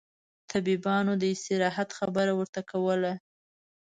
طبيبانو داستراحت خبره ورته کوله.